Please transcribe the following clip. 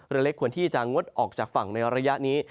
เรือเล็กควรที่จะงดออกจากฝั่งในระยะนี้